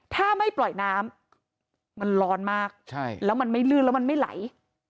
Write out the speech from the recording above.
ถ้าไม่ปล่อยน้ำมันร้อนมากใช่แล้วมันไม่ลื่นแล้วมันไม่ไหล